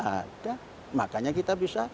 ada makanya kita bisa